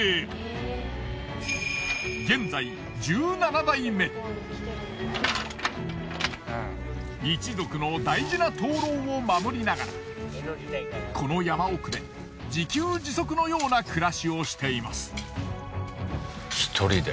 現在一族の大事な灯篭を守りながらこの山奥で自給自足のような暮らしをしています。